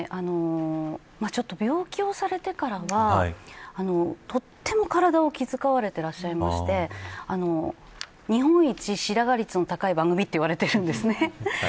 病気をされてからはとっても体を気遣われていて日本一白髪率の高い番組と言われているんです。